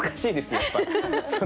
やっぱり。